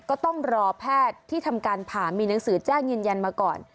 ก็ต้องรอแพทย์ที่ทำการผ่ามีหนังสือแจ้งยืนยันมาก่อน